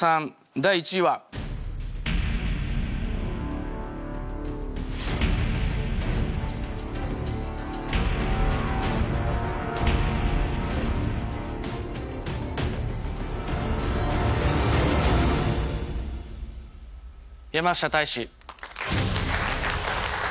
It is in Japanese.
第１位は山下泰史